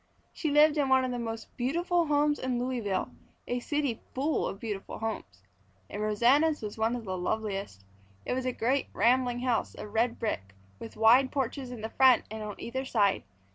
She lived in one of the most beautiful homes in Louisville, a city full of beautiful homes. And Rosanna's was one of the loveliest. It was a great, rambling house of red brick with wide porches in the front and on either side.